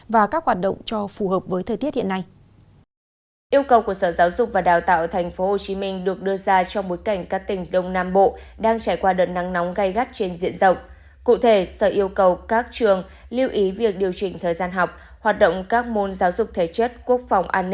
và các trường đồng tập